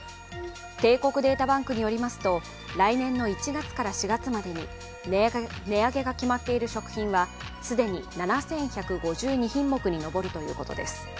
帝国データバンクによりますと来年の１月から４月までに値上げが決まっている食品は既に７１５２品目に上るということです。